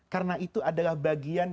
karena itu adalah bagian